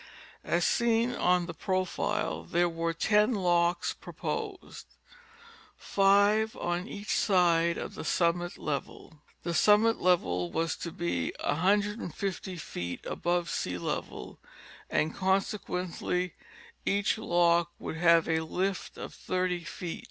As seen on the profile there were ten locks proposed, five on each side of the summit level. The summit level was to be 150 feet above sea level and conse quently each lock would have a lift of thirty feet.